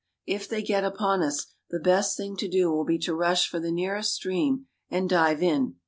If they get upon us, the best thing to do will be to rush for the nearest stream and dive in.